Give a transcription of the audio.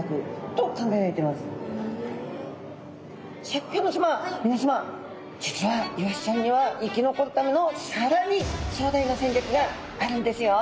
シャーク香音さまみなさま実はイワシちゃんには生き残るためのさらに壮大な戦略があるんですよ。